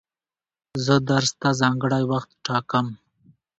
زه درس ته ځانګړی وخت ټاکم.